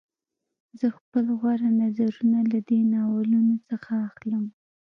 زه خپل غوره نظرونه له دې ناولونو څخه اخلم